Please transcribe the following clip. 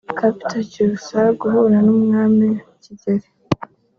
Cpt Cyusa guhura n’Umwami Kigeli